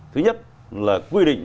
thứ nhất là quy định